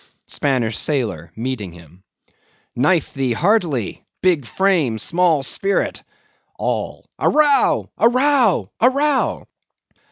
SPANISH SAILOR (meeting him). Knife thee heartily! big frame, small spirit! ALL. A row! a row! a row!